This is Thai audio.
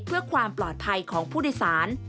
เพื่อความปลอดภัยของผู้โดยสาร